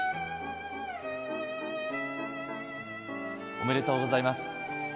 ・おめでとうございます。